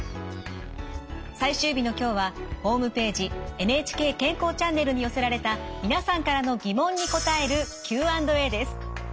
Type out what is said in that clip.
最終日の今日はホームページ「ＮＨＫ健康チャンネル」に寄せられた皆さんからの疑問に答えるＱ＆Ａです。